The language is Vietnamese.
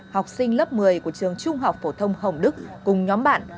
học sinh lớp một mươi của trường trung học phổ thông hồng đức cùng nhóm bạn